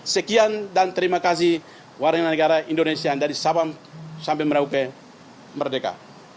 sekian dan terima kasih warga negara indonesia yang dari sabang sampai merauke merdeka